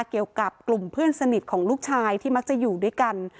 เกี่ยวกับกลุ่มเพื่อนสนิทของลูกชายที่มักจะอยู่ด้วยกัน